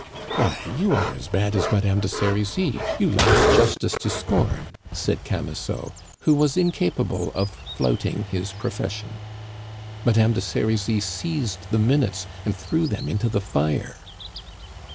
"Why, you are as bad as Madame de Serizy; you laugh justice to scorn," said Camusot, who was incapable of flouting his profession. "Madame de Serizy seized the minutes and threw them into the fire."